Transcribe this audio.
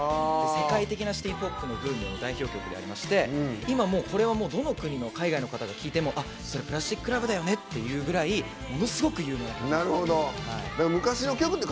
世界的なシティ・ポップブームの代表曲でありましてどの国の海外の方が聴いてもそれ「プラスティック・ラブ」だよねっていうぐらいものすごく有名な曲で。